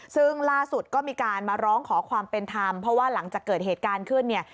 ซึ่งล่าสุดก็มีการมาร้องขอความเป็นธรรมเพราะว่าหลังจากเกิดเหตุการณ์ขึ้นเนี่ย